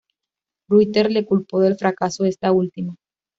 Ruyter le culpó del fracaso de esta última.